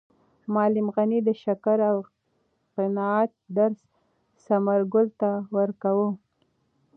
معلم غني د شکر او قناعت درس ثمرګل ته ورکاوه.